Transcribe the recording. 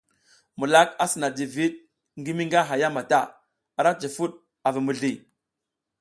Mulak a sina jiviɗ ngi mi nga haya mata, ara cifud a vi mizli.